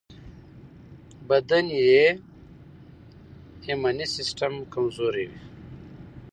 بدن یې ایمني سيستم کمزوری وي.